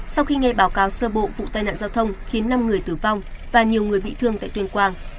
sau khi nghe báo cáo sơ bộ vụ tai nạn giao thông khiến năm người tử vong và nhiều người bị thương tại tuyên quang